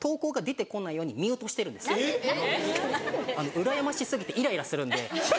うらやまし過ぎてイライラするんで。